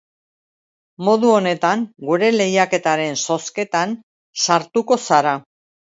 Modu honetan gure lehiaketaren zozketan sartuko zara.